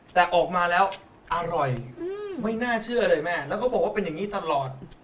แต่ออกมาแล้วอร่อยไม่น่าเชื่อเลยแม่แล้วเขาบอกว่าเป็นอย่างนี้ตลอด